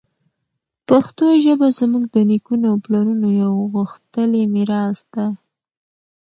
پښتو ژبه زموږ د نیکونو او پلارونو یوه غښتلې میراث ده.